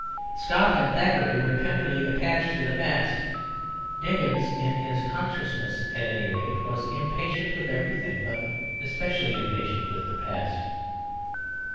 Scott and Thackeray were tenderly attached to the past; Dickens (in his consciousness at any rate) was impatient with everything, but especially impatient with the past.